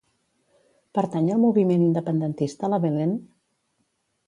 Pertany al moviment independentista la Belén?